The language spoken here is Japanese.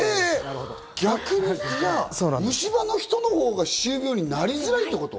逆にじゃあ、虫歯の人のほうが歯周病になりづらいってこと？